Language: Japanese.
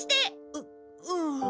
ううん。